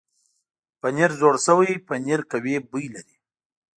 پنېر زوړ شوی پنېر قوي بوی لري.